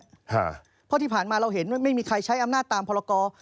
เพราะที่ผ่านมาเราเห็นว่าไม่มีใครใช้อำนาจตามพรกร